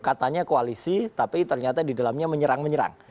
katanya koalisi tapi ternyata di dalamnya menyerang menyerang